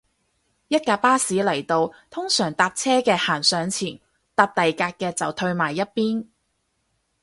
一架巴士嚟到，通常搭車嘅行上前，搭第架嘅就褪埋一邊